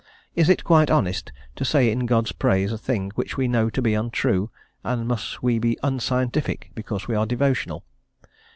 Is it quite honest to say in God's praise a thing which we know to be untrue, and must we be unscientific because we are devotional?